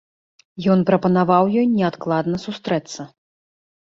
Ён прапанаваў ёй неадкладна сустрэцца.